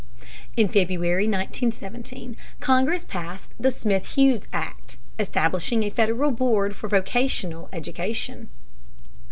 In February, 1917, Congress passed the Smith Hughes Act, establishing a Federal Board for Vocational Education.